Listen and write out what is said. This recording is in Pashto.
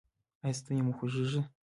ایا ستونی مو خوږیږي؟